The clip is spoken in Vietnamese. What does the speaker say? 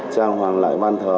trang hoàng lãi ban thờ